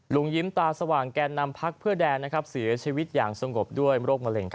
ยิ้มตาสว่างแก่นนำพักเพื่อแดนเสียชีวิตอย่างสงบด้วยโรคมะเร็ง